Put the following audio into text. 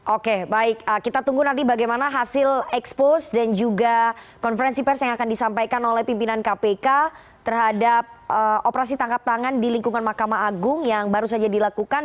oke baik kita tunggu nanti bagaimana hasil ekspos dan juga konferensi pers yang akan disampaikan oleh pimpinan kpk terhadap operasi tangkap tangan di lingkungan mahkamah agung yang baru saja dilakukan